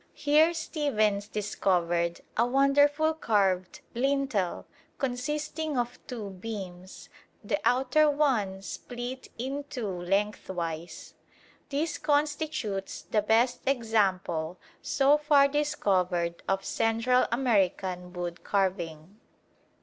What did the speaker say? Here Stephens discovered a wonderful carved lintel consisting of two beams, the outer one split in two lengthwise. This constitutes the best example so far discovered of Central American wood carving.